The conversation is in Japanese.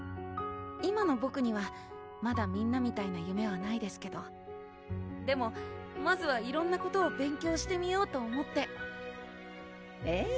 今のボクにはまだみんなみたいな夢はないですけどでもまずは色んなことを勉強してみようと思ってええ